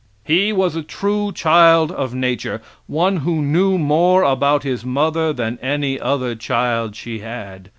He was a true child of nature one who knew more about his mother than any other child she had.